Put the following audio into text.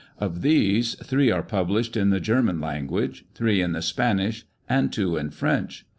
Of these, three are published in the German language, three in Spanish, and two in French.